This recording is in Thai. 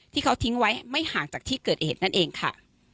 ที่เขาทิ้งไว้ไม่ห่างจากที่เกิดเหตุนั่นเองค่ะ